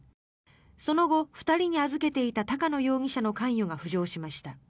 その後、２人に預けていた高野容疑者の関与が浮上しました。